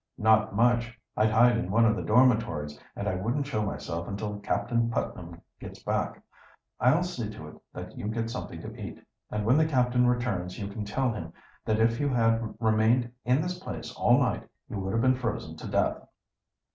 "Not much! I'd hide in one of the dormitories, and I wouldn't show myself until Captain Putnam gets back. I'll see to it that you get something to eat, and when the captain returns you can tell him that if you had remained in this place all night you would have been frozen to death."